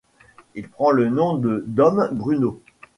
Il prend le nom de dom Bruno.